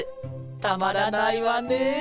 たまらないわね。